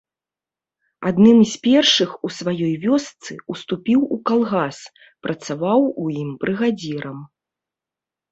Адным з першых у сваёй вёсцы уступіў у калгас, працаваў у ім брыгадзірам.